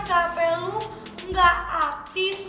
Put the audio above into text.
kp lo gak aktif